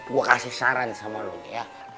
gue kasih saran sama lu ya